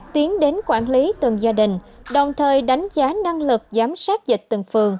tiến đến quản lý từng gia đình đồng thời đánh giá năng lực giám sát dịch từng phường